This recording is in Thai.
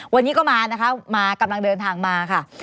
วันนี้ก็มานะคะมากำลังเดินทางมาค่ะ